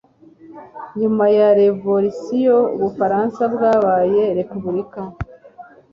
Nyuma ya revolisiyo, Ubufaransa bwabaye repubulika.